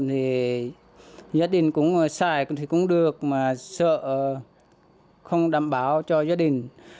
thì gia đình cũng xài thì cũng được mà sợ không đảm bảo cho gia đình